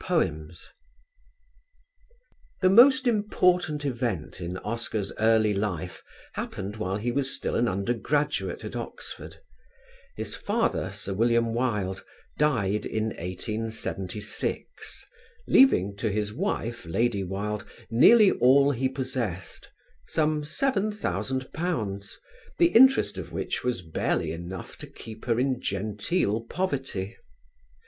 CHAPTER IV The most important event in Oscar's early life happened while he was still an undergraduate at Oxford: his father, Sir William Wilde, died in 1876, leaving to his wife, Lady Wilde, nearly all he possessed, some £7,000, the interest of which was barely enough to keep her in genteel poverty.